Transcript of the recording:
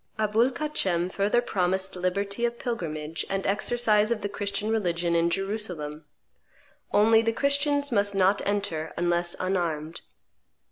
Aboul Kacem further promised liberty of pilgrimage and exercise of the Christian religion in Jerusalem; only the Christians must not enter, unless unarmed.